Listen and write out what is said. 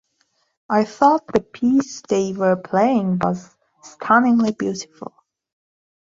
I thought the piece they were playing was stunningly beautiful.